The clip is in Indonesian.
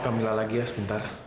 kamila lagi ya sebentar